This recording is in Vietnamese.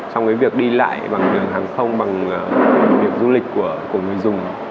trong cái việc đi lại bằng đường hàng không bằng điểm du lịch của người dùng